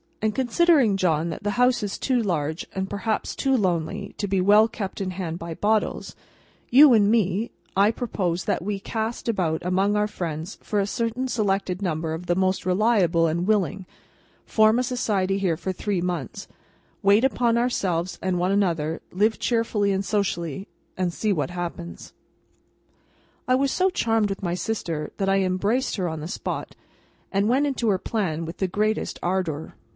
And considering, John, that the house is too large, and perhaps too lonely, to be kept well in hand by Bottles, you, and me, I propose that we cast about among our friends for a certain selected number of the most reliable and willing—form a Society here for three months—wait upon ourselves and one another—live cheerfully and socially—and see what happens." I was so charmed with my sister, that I embraced her on the spot, and went into her plan with the greatest ardour.